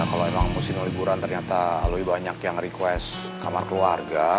kalau emang musim liburan ternyata lebih banyak yang request kamar keluarga